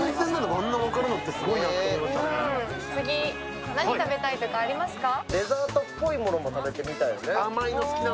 次、何食べたいとかありますか？